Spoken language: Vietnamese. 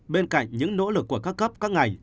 bên cạnh những nỗ lực của các cấp các ngành